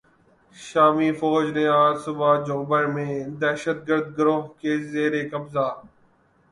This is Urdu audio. شامی فوج نے آج صبح "جوبر" میں دہشتگرد گروہ کے زیر قبضہ